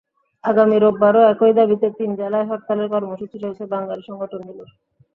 আগামী রোববারও একই দাবিতে তিন জেলায় হরতালের কর্মসূচি রয়েছে বাঙালি সংগঠনগুলোর।